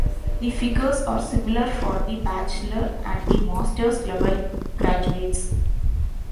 The figures are similar for the bachelor and the masters level graduates.